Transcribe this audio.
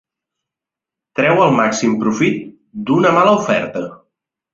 Treu el màxim profit d'una mala oferta.